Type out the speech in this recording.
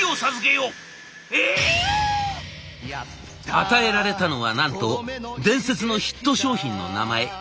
与えられたのはなんと伝説のヒット商品の名前。